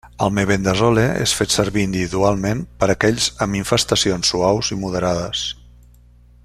El mebendazole és fet servir individualment per aquells amb infestacions suaus i moderades.